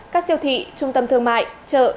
các siêu thị trung tâm thương mại chợ